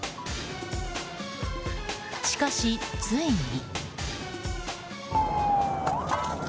しかし、ついに。